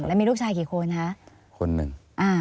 แล้วมีลูกชายกี่คนครับ